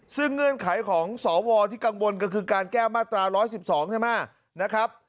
ซึ่งเงื่อนไขของสวที่กังวลก็คือการแก้มาตรา๑๑๒ใช่ไหมนะครับ